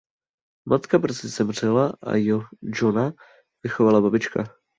Matka brzy zemřela a Johanna vychovala babička.